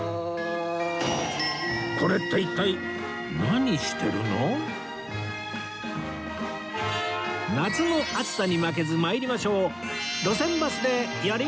これって夏の暑さに負けずまいりましょう！